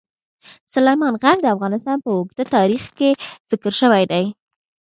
سلیمان غر د افغانستان په اوږده تاریخ کې ذکر شوی دی.